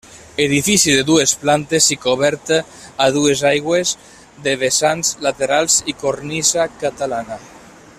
Edifici de dues plantes i coberta a dues aigües de vessants laterals i cornisa catalana.